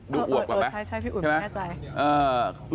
ดูอวกกว่าไหมใช่ไหมเออใช่พี่อุ่นไม่แน่ใจใช่ไหม